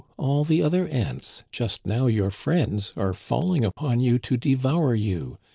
all the other ants, just now your friends, are falling upon you to devour you.